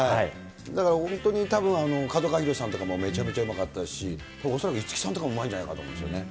だから、本当にたぶん角川博さんとかもめちゃめちゃうまかったですし、恐らく五木さんとかもうまいんじゃないかと思うんですよね。